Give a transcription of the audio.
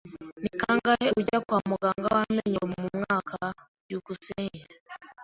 Ni kangahe ujya kwa muganga w'amenyo mu mwaka? byukusenge